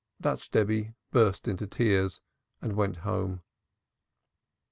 Dutch Debby burst into tears and went home.